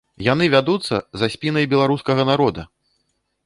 Яны вядуцца за спінай беларускага народа!